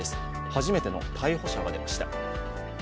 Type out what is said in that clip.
初めての逮捕者が出ました。